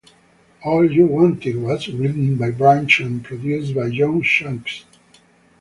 "All You Wanted" was written by Branch and produced by John Shanks.